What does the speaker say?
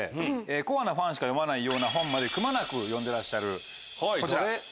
コアなファンしか読まないような本までくまなく読んでらっしゃるこちら。